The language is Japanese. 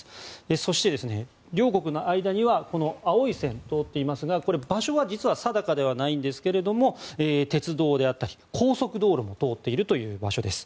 そして両国の間には青い線が通っていますが場所は定かではありませんが鉄道であったり、高速道路も通っているという場所です。